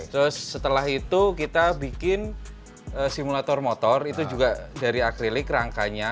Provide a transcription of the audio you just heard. terus setelah itu kita bikin simulator motor itu juga dari akrilik rangkanya